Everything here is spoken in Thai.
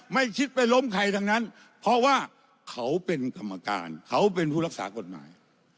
ไม่คิดไปล้มใครทั้งนั้นเพราะว่าเขาเป็นกรรมการเขาเป็นผู้รักษากฎหมาย